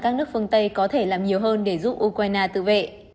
các nước phương tây có thể làm nhiều hơn để giúp ukraine tự vệ